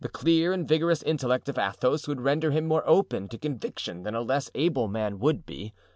The clear and vigorous intellect of Athos would render him more open to conviction than a less able man would be.